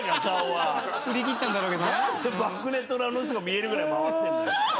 何でバックネット裏の人が見えるぐらい回ってんだよ。